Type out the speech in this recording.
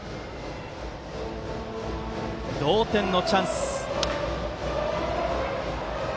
同点のチャンス。